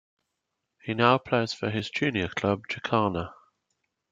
He now plays for his junior club, Jacana.